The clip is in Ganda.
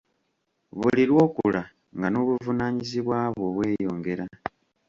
Buli lw'okula nga n'obuvunaanyizibwa bwo bweyongera.